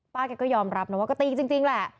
ป้าเก่งจะยอมรับว่าจะตีจริงและ